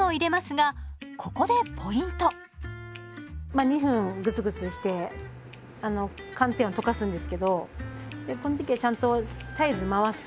まあ２分グツグツして寒天を溶かすんですけどこの時はちゃんと絶えず回す。